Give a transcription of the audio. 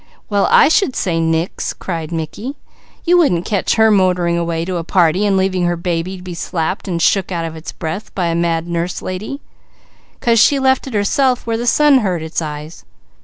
"Well I should say nix!" cried Mickey. "You wouldn't catch her motoring away to a party and leaving her baby to be slapped and shook out of its breath by a mad nurselady, 'cause she left it herself where the sun hurt its eyes.